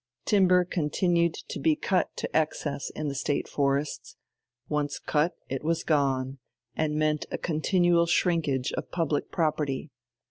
Timber continued to be cut to excess in the State forests; once cut it was gone, and meant a continual shrinkage of public property.